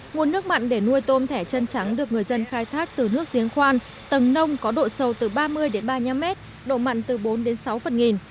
nguồn nước mặn để nuôi tôm thẻ chân trắng được người dân khai thác từ nước giếng khoan tầng nông có độ sâu từ ba mươi đến ba mươi năm mét độ mặn từ bốn đến sáu phần nghìn